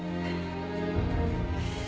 はい。